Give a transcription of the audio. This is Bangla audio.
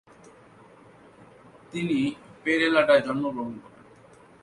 তিনি পেরেলাডায় জন্মগ্রহণ করেন।